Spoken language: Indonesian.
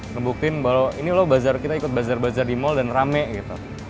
ngebuktiin bahwa ini loh bazar kita ikut bazar bazar di mal dan rame gitu